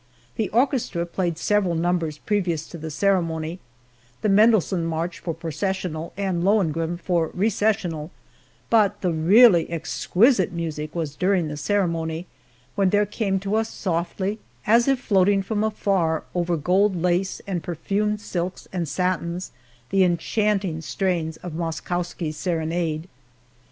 The orchestra played several numbers previous to the ceremony the Mendelssohn March for processional, and Lohengrin for recessional, but the really exquisite music was during the ceremony, when there came to us softly, as if floating from afar over gold lace and perfumed silks and satins, the enchanting strains of Moszkowski's Serenade!